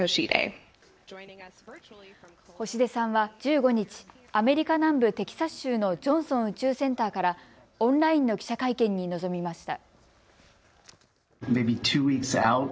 星出さんは１５日、アメリカ南部テキサス州のジョンソン宇宙センターからオンラインの記者会見に臨みました。